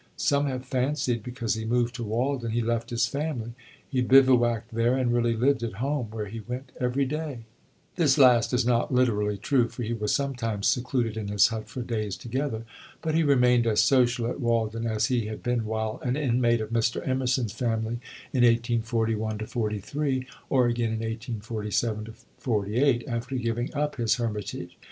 Some have fancied, because he moved to Walden, he left his family. He bivouacked there and really lived at home, where he went every day." This last is not literally true, for he was sometimes secluded in his hut for days together; but he remained as social at Walden as he had been while an inmate of Mr. Emerson's family in 1841 43, or again in 1847 48, after giving up his hermitage.